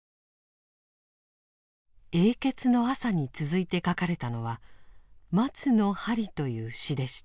「永訣の朝」に続いて書かれたのは「松の針」という詩でした。